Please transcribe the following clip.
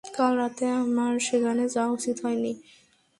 কাল রাতে আমার সেখানে যাওয়া উচিত হয়নি।